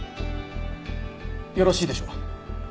よろしいでしょうか？